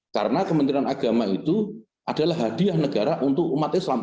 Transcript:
karena kementerian agama itu adalah hadiah negara untuk umat islam